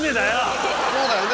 そうだよね。